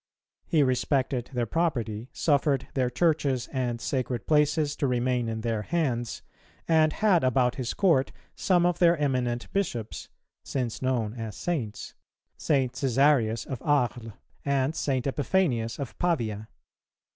He respected their property, suffered their churches and sacred places to remain in their hands, and had about his court some of their eminent Bishops, since known as Saints, St. Cæsarius of Arles, and St. Epiphanius of Pavia.